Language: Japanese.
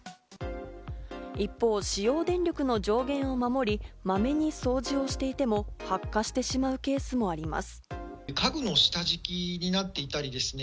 一方、使用電力の上限を守り、まめに掃除をしていても、発火してしまうケースもあります。